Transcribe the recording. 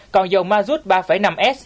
còn dầu mazut ba năm s giảm bảy năm đồng một lít